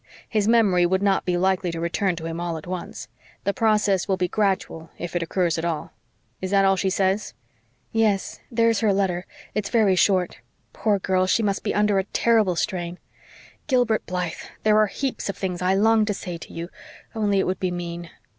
His memory would not be likely to return to him all at once. The process will be gradual, if it occurs at all. Is that all she says?" "Yes there's her letter. It's very short. Poor girl, she must be under a terrible strain. Gilbert Blythe, there are heaps of things I long to say to you, only it would be mean."